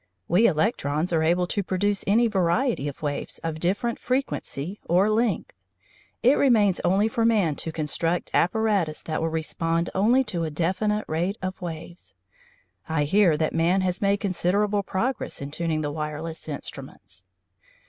We electrons are able to produce any variety of waves of different frequency or length; it remains only for man to construct apparatus that will respond only to a definite rate of waves. I hear that man has made considerable progress in tuning the wireless instruments.